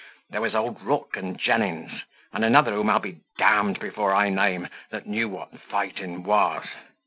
There was old Rook and Jennings, and another whom I'll be d d before I name, that knew what fighting was.